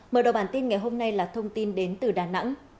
mở đầu bản tin ngày hôm nay là thông tin đến từ đà nẵng